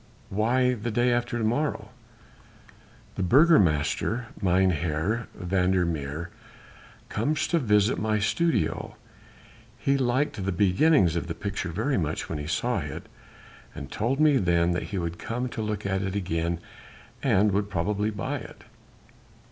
"Why the day after to morrow?" "The Burgomaster, Mynheer van der Meer, comes to visit my studio. He liked the beginnings of the picture very much when he saw it, and told me then that he would come to look at it again and would probably buy it."